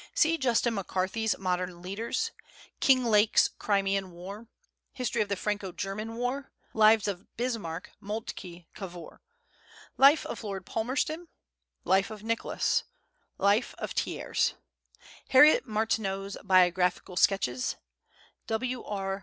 See Justin McCarthy's Modern Leaders; Kinglake's Crimean War; History of the Franco German War; Lives of Bismarck, Moltke, Cavour; Life of Lord Palmerston; Life of Nicholas; Life of Thiers; Harriet Martineau's Biographical Sketches; W.R.